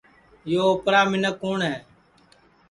یو اوپرا منکھ کُوٹؔ ہے